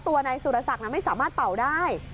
ตัวนายสุรศักดิ์ไม่สามารถเป่าได้